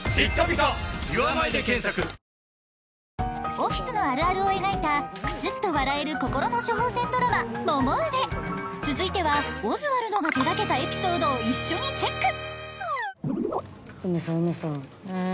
オフィスのあるあるを描いたクスっと笑える心の処方箋ドラマ続いてはオズワルドが手掛けたエピソードを一緒にチェックウメさんウメさん。